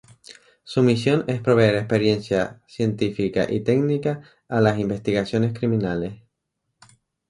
Su misión es proveer experiencia científica y técnica a las investigaciones criminales.